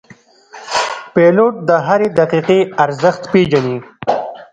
پیلوټ د هرې دقیقې ارزښت پېژني.